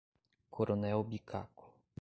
Coronel Bicaco